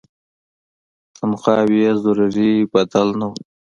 تنخواوې یې ضروري بدل نه وو.